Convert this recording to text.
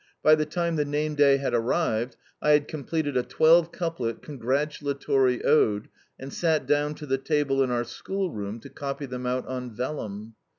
By the time the name day had arrived I had completed a twelve couplet congratulatory ode, and sat down to the table in our school room to copy them out on vellum.